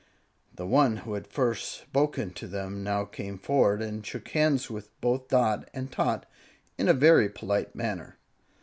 The one who had first spoken to them now came forward and shook hands with both Dot and Tot in a very polite manner.